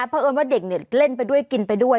เพราะเอิญว่าเด็กเล่นไปด้วยกินไปด้วย